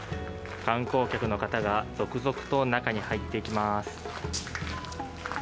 観光客の方が続々と中に入ってきます。